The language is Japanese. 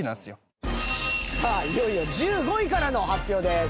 裕二：さあ、いよいよ１５位からの発表です。